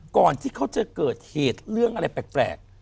ก่อนที่เขาจะเกิดเหตุเรื่องอะไรแปลก